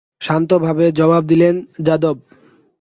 শান্তভাবে জবাব দিলেন যাদব।